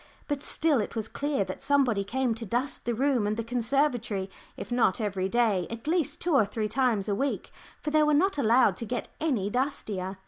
But still it was clear that somebody came to dust the room and the conservatory, if not every day, at least two or three times a week, for they were not allowed to get any dustier.